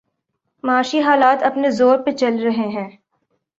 معاشی حالات اپنے زور پہ چل رہے ہیں۔